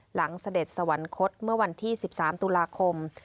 เสด็จสวรรคตเมื่อวันที่๑๓ตุลาคม